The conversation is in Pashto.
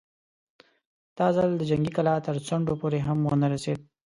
دا ځل د جنګي کلا تر څنډو پورې هم ونه رسېد.